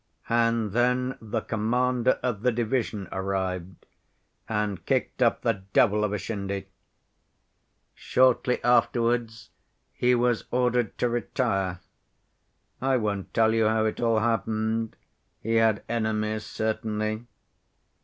And then the commander of the division arrived, and kicked up the devil of a shindy. Shortly afterwards he was ordered to retire. I won't tell you how it all happened. He had enemies certainly.